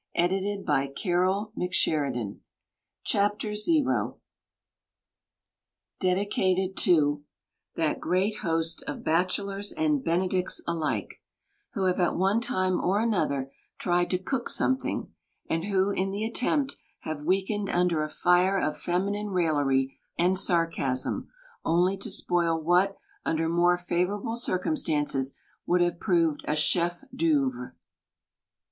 11 PRINTED IN THE UNITED STATES OF AMERICA Dedicated To — THAT GREAT HOST OF BACHELORS AND BENEDICTS ALIKE who have at one time or another tried to "cook something" ; and who, in the attempt, have weak ened under a fire of feminine raillery and sarcasm, only to spoil what, under more favora ble circumstances, would have proved a chef d'ceuvre.